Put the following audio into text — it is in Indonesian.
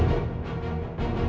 tidak kita harus ke dapur